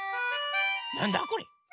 なんだこれ？